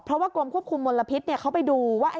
เพราะว่ากรมควบคุมมลพิษเขาไปดูว่า